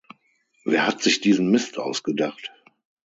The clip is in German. Wer hat sich diesen Mist ausgedacht?